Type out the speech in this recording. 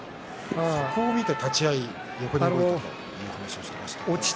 そこを見て立ち合い動いたという話をしていました。